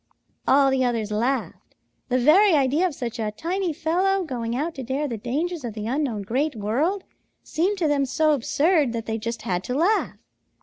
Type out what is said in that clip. "All the others laughed. The very idea of such a tiny fellow going out to dare the dangers of the unknown Great World seemed to them so absurd that they just had to laugh.